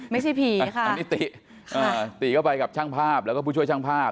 ไม่ใช่ผีค่ะอันนี้ติติก็ไปกับช่างภาพแล้วก็ผู้ช่วยช่างภาพ